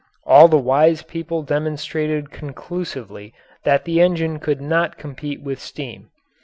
All the wise people demonstrated conclusively that the engine could not compete with steam.